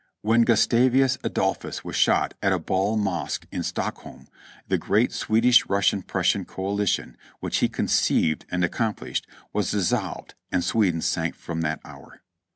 When Gustavus x^dolphus was shot at a bal masque in Stock holm the great Swedish Russian Prussian coalition, which he con ceived and accomplished, was dissolved and Sweden sank from that hour.